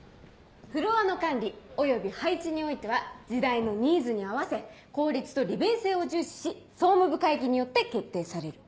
「フロアの管理および配置においては時代のニーズに合わせ効率と利便性を重視し総務部会議によって決定される」。